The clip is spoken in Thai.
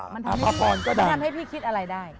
มันทำให้พี่คิดอะไรได้